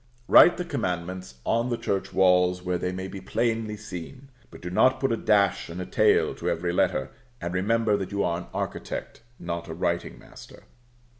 Write the Commandments on the Church walls where they may be plainly seen, but do not put a dash and a tail to every letter; and remember that you are an architect, not a writing master.